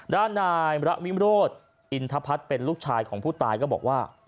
ด้านนายระวิมโรธอินทพัฒน์เป็นลูกชายของผู้ตายก็บอกว่า